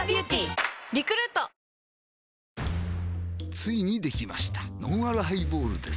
ついにできましたのんあるハイボールです